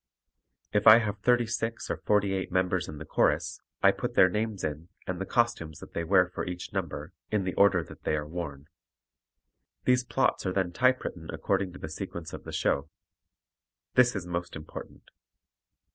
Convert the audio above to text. If I have thirty six or forty eight members in the chorus, I put their names in and the costumes that they wear for each number, in the order that they are worn. These plots are then typewritten according to the sequence of the show. This is most important.